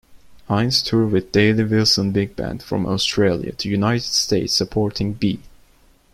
Hines toured with Daly-Wilson Big Band from Australia to United States, supporting B.